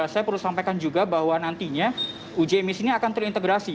saya perlu sampaikan juga bahwa nantinya uji emisi ini akan terintegrasi